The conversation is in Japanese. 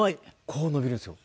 こう伸びるんですよ。